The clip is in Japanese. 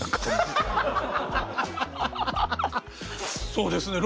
そうですね。